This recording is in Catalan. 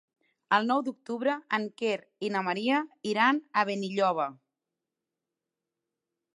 El nou d'octubre en Quer i na Maria iran a Benilloba.